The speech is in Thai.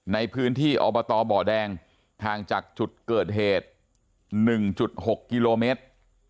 ในพื้นที่อบตบ่อแดงห่างจากจุดเกิดเหตุ๑๖กิโลเมตร